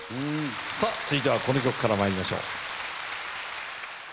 続いてはこの曲からまいりましょう。